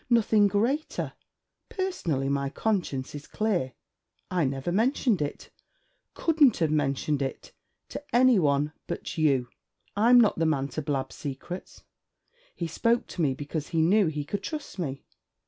Nothing greater. Personally my conscience is clear. I never mentioned it couldn't have mentioned it to any one but you. I'm not the man to blab secrets. He spoke to me because he knew he could trust me.